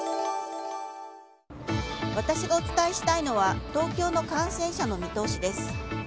私がお伝えしたいのは東京の感染者の見通しです。